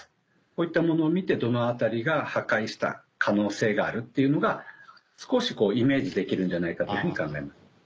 こういったものを見てどの辺りが破壊した可能性があるっていうのが少しイメージできるんじゃないかというふうに考えます。